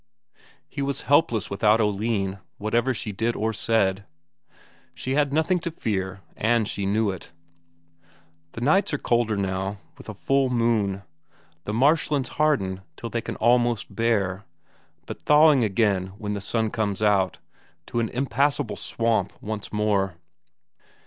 He was helpless without Oline; whatever she did or said, she had nothing to fear, and she knew it. The nights are colder now, with a full moon; the marshlands harden till they can almost bear, but thawing again when the sun comes out, to an impassable swamp once more.